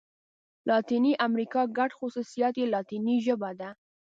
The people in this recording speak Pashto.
لاتیني امريکا ګډ خوصوصیات یې لاتيني ژبه ده.